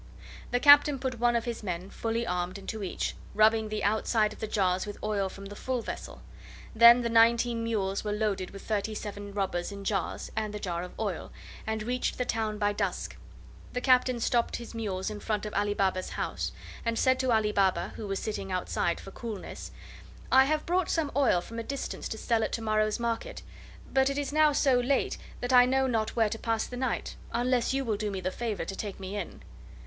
The Captain put one of his men, fully armed, into each, rubbing the outside of the jars with oil from the full vessel. Then the nineteen mules were loaded with thirty seven robbers in jars, and the jar of oil, and reached the town by dusk. The Captain stopped his mules in front of Ali Baba's house, and said to Ali Baba, who was sitting outside for coolness: "I have brought some oil from a distance to sell at to morrow's market, but it is now so late that I know not where to pass the night, unless you will do me the favor to take me in."